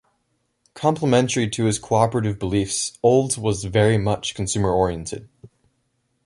Complementary to his cooperative beliefs, Olds was "very much consumer oriented".